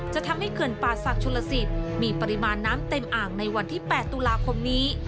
จะทำให้เขื่อนป่าศักดิชลสิทธิ์มีปริมาณน้ำเต็มอ่างในวันที่๘ตุลาคมนี้